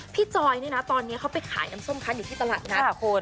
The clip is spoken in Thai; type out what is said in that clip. พี่จอยเนี่ยนะตอนนี้เขาไปขายน้ำส้มขั้นอยู่ที่ตลาดนัด